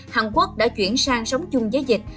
hàn quốc đã chuyển sang sống chung giới dịch